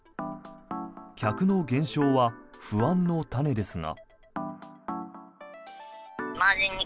客の減少は不安の種ですが。